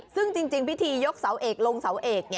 ซึ่งจริงพิธียกเสาเอกลงเสาเอก